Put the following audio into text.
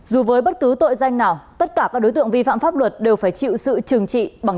dù với bất cứ tội danh nào tất cả các đối tượng vi phạm pháp luật đều phải chịu sự trừng trị bằng